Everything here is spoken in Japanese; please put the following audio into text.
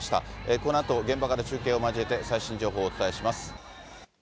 このあと現場から中継を交えて、最新情報をお伝えします。